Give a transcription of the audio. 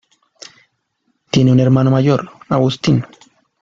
Tiene un hermano mayor, Agustín.